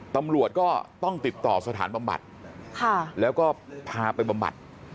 ตำรวจก็ต้องติดต่อสถานบำบัดแล้วก็พาไปบำบัด